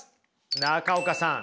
中岡さん